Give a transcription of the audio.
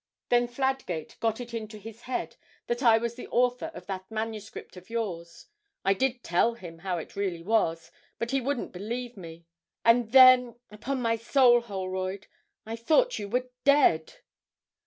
Then Fladgate got it into his head that I was the author of that manuscript of yours. I did tell him how it really was, but he wouldn't believe me, and then upon my soul, Holroyd, I thought you were dead!'